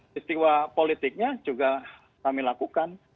peristiwa politiknya juga kami lakukan